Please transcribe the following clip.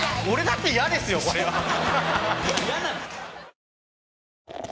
俺だって嫌ですよこれは。